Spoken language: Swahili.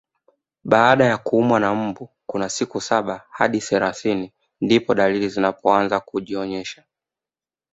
Baada ya kuumwa na mbu kuna siku saba hadi thelathini ndipo dalili zitakapoanza kujionyesha